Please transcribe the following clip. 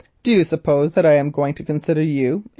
Do you suppose that I am going to consider you?